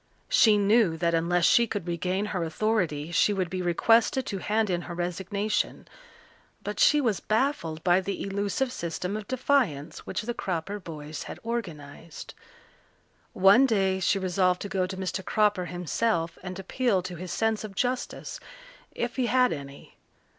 She knew that unless she could regain her authority she would be requested to hand in her resignation, but she was baffled by the elusive system of defiance which the Cropper boys had organized. One day she resolved to go to Mr. Cropper himself and appeal to his sense of justice, if he had any.